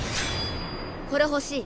これほしい。